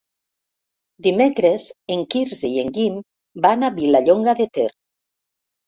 Dimecres en Quirze i en Guim van a Vilallonga de Ter.